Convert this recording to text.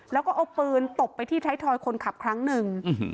แล้วก็เอาปืนตบไปที่ไทยทอยคนขับครั้งหนึ่ง